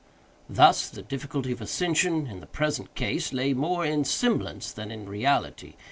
Thus the difficulty of ascension, in the present case, lay more in semblance than in reality.